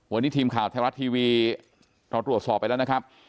วันนี้ทีมข่าวไทยรัฐทีวีเราตรวจสอบไปแล้วนะครับ